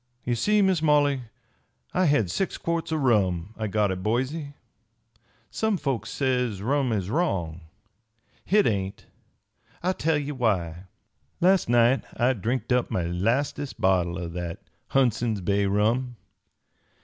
"Ye see, Miss Molly, I had six quarts o' rum I got at Boise. Some folks says rum is wrong. Hit ain't. I'll tell ye why. Last night I drinked up my lastest bottle o' that Hundson's Bay rum.